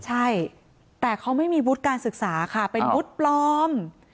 ใช่แต่เขาไม่มีวุฒิการศึกษาค่ะเป็นวุฒิปลอม